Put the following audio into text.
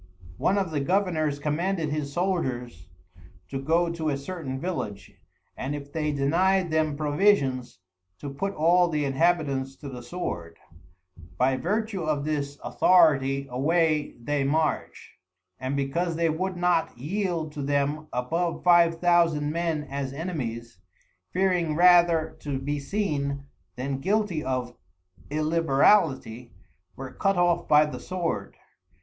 One of the Governours commanded his Soldiers to go to a certain Village, and if they denyed them Provisions, to put all the Inhabitants to the Sword: By Vertue of this Authority away they march, and because they would not yield to them above Five Thousand Men as Enemies, fearing rather to be seen, then guilty of Illiberality, were cut off by the Sword.